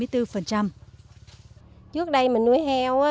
trước đây mình nuôi heo